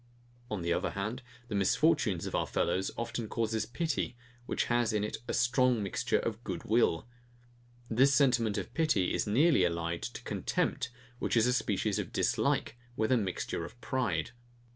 On the other hand, the misfortunes of our fellows often cause pity, which has in it a strong mixture of good will. This sentiment of pity is nearly allied to contempt, which is a species of dislike, with a mixture of pride.